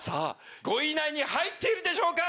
５位以内に入っているでしょうか？